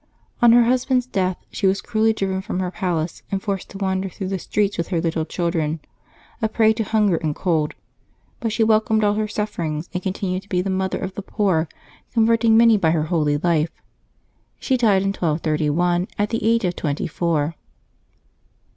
On her husband's death she was cruelly driven from her palace, and forced to wander through the streets with her little children, a prey to hun ger and cold; but she welcomed all her sufferings, and continued to be the mother of the poor, converting many by her holy life. She died in 1231, at the age of twenty four.